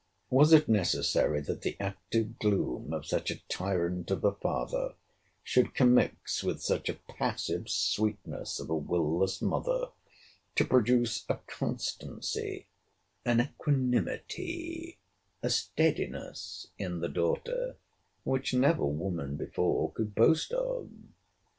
* Was it necessary that the active gloom of such a tyrant of a father, should commix with such a passive sweetness of a will less mother, to produce a constancy, an equanimity, a steadiness, in the daughter, which never woman before could boast of?